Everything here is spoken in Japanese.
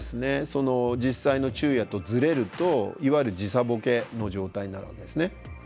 その実際の昼夜とずれるといわゆる時差ボケの状態になるわけですね。